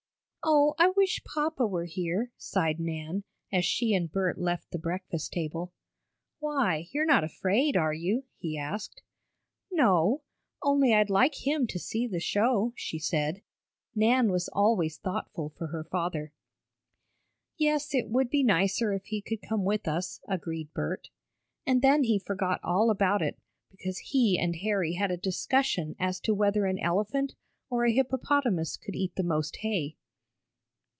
"Oh, I wish papa were here!" sighed Nan, as she and Bert left the breakfast table. "Why, you're not afraid, are you?" he asked. "No, only I'd like him to see the show," she said. Nan was always thoughtful for her father. "Yes, it would be nicer if he could come with us," agreed Bert. And then he forgot all about it, because he and Harry had a discussion as to whether an elephant or a hippopotamus could eat the most hay.